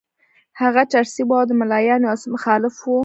هغه چرسي وو او د ملایانو یو څه مخالف وو.